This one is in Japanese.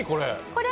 これ。